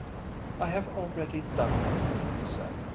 "I have already done that," he said.